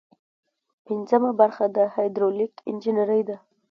پنځمه برخه د هایدرولیک انجنیری ده.